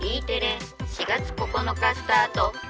テレ４月９日スタート！